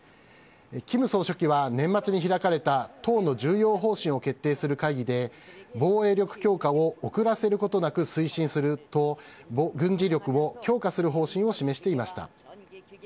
キム総書記は年末に開かれた、党の重要方針を決定する会議で、防衛力強化を遅らせることなく推進すると、軍事力を強化する方針を示していました。